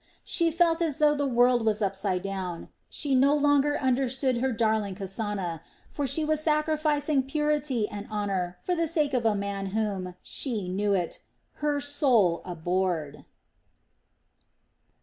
She felt as though the world was upside down. She no longer understood her darling Kasana; for she was sacrificing purity and honor for the sake of a man whom she knew it her soul abhorred.